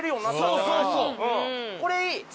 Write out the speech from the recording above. これいい。